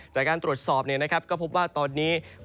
จากการตรวจสอบก็พบว่าตอนนี้